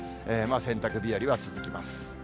洗濯日和は続きます。